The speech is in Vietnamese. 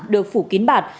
được phủ kín bạt